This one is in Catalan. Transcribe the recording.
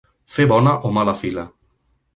Fer bona o mala fila.